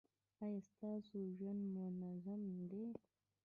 ایا ستاسو ژوند منظم دی؟